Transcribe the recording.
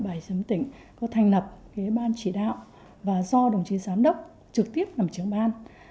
bảo hiểm xã hội tỉnh có thành lập ban chỉ đạo và do đồng chí giám đốc trực tiếp làm trưởng ban